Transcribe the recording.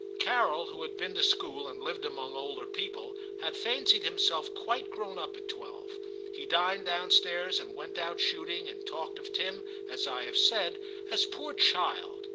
Carol, who had been to school, and lived among older people, had fancied himself quite grown up at twelve. He dined down stairs and went out shooting, and talked of Tim, as I have said, as 'poor child.'